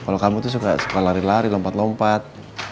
kalo kamu tuh suka lari lari lompat lompat